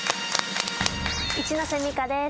一ノ瀬みかです。